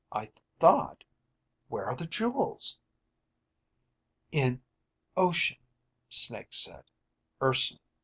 "I thought where are the jewels?" In ... ocean, Snake said. _Urson